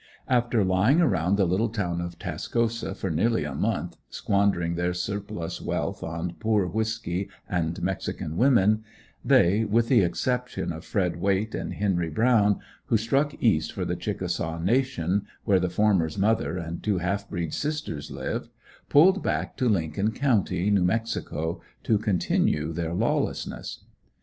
After lying around the little town of Tascosa for nearly a month, squandering their surplus wealth on poor whisky and mexican woman, they, with the exception of Fred Wayt and Henry Brown who struck east for the Chickisaw nation where the former's mother and two half breed sisters lived, pulled back to Lincoln County, New Mexico, to continue their lawlessness.